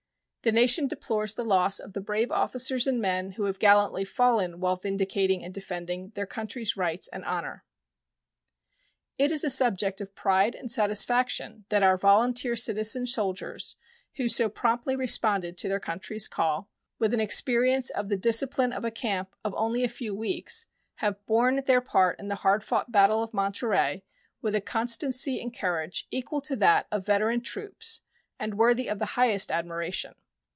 The nation deplores the loss of the brave officers and men who have gallantly fallen while vindicating and defending their country's rights and honor. It is a subject of pride and satisfaction that our volunteer citizen soldiers, who so promptly responded to their country's call, with an experience of the discipline of a camp of only a few weeks, have borne their part in the hard fought battle of Monterey with a constancy and courage equal to that of veteran troops and worthy of the highest admiration.